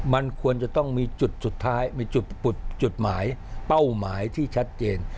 มันควรจะต้องมีจุดสุดท้ายมีจุดหมายเป้าหมายที่ชัดเจน